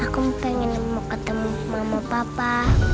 aku pengen mau ketemu mama papa